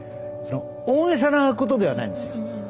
大げさなことではないんですよ。